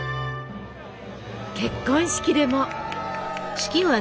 結婚式でも。